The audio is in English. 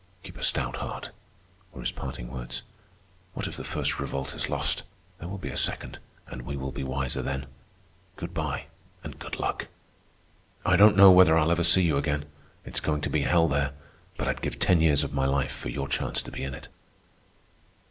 "Keep a stout heart," were his parting words. "What if the First Revolt is lost? There will be a second, and we will be wiser then. Good by and good luck. I don't know whether I'll ever see you again. It's going to be hell there, but I'd give ten years of my life for your chance to be in it."